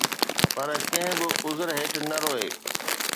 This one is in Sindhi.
پر ڪنهن به عذر هيٺ نه روءِ